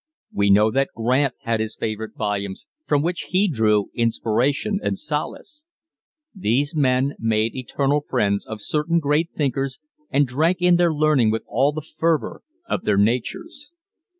We know that Grant had his favorite volumes from which he drew inspiration and solace. These men made eternal friends of certain great thinkers and drank in their learning with all the fervor of their natures.